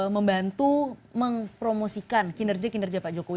membantu mempromosikan kinerja kinerja pak jokowi